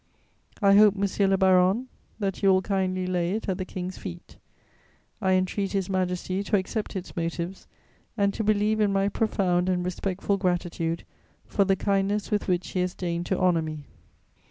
I hope, monsieur le baron, that you will kindly lay it at the King's feet. I entreat His Majesty to accept its motives and to believe in my profound and respectful gratitude for the kindness with which he has deigned to honour me.